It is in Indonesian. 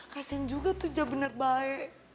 kasian juga tuh ja bener baik